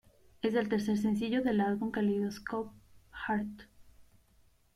Es el tercer sencillo del álbum "Kaleidoscope Heart".